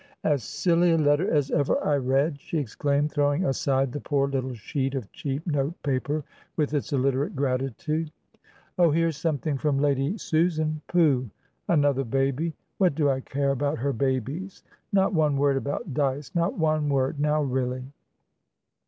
"As silly a letter as ever I read!" she exclaimed, throwing aside the poor little sheet of cheap note paper with its illiterate gratitude. "Oh, here's something from Lady Susanpooh! Another baby. What do I care about her babies! Not one word about Dycenot one word. Now, really!"